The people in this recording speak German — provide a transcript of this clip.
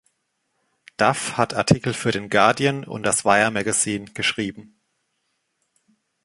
Duff hat Artikel für den „Guardian“ und das „Wire Magazine“ geschrieben.